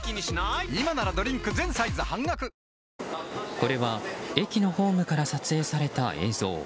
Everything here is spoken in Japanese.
これは、駅のホームから撮影された映像。